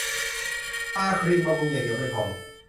ทาครีมบำรุงอย่างเดียวไม่พอ